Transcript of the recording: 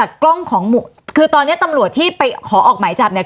คุณนัทธพงศ์ตอนนี้ตำรวจที่ขอออกหมายจับเนี่ย